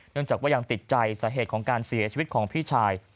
จากว่ายังติดใจสาเหตุของการเสียชีวิตของพี่ชาย